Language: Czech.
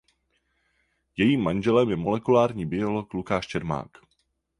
Jejím manželem je molekulární biolog Lukáš Čermák.